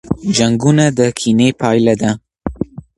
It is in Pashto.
جنګونه د کینې پایله ده.